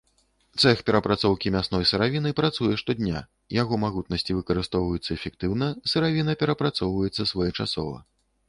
Цэх перапрацоўкі мясной сыравіны працуе штодня, яго магутнасці выкарыстоўваюцца эфектыўна, сыравіна перапрацоўваецца своечасова.